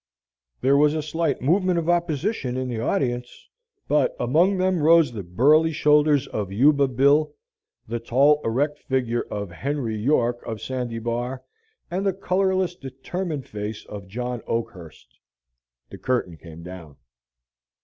There was a slight movement of opposition in the audience, but among them rose the burly shoulders of Yuba Bill, the tall, erect figure of Henry York of Sandy Bar, and the colorless, determined face of John Oakhurst. The curtain came down.